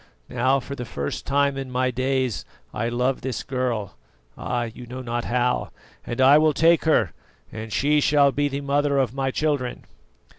Now, for the first time in my days, I love this girl ah, you know not how! and I will take her, and she shall be the mother of my children."